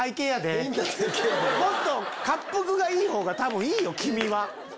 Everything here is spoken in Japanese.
もっとかっぷくがいい方が多分いいよ君は。